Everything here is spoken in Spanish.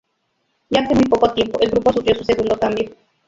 Y hace muy poco tiempo el grupo sufrió su segundo cambio.